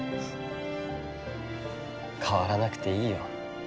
変わらなくていいよ。